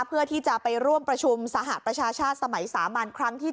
เพื่อที่จะไปร่วมประชุมสหประชาชาติสมัยสามัญครั้งที่๗